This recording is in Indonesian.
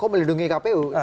kok melindungi kpu